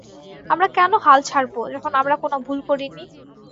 আমরা কেন হাল ছাড়বো যখন আমরা কোনো ভুল করিনি।